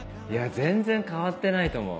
全然変わってないと思う。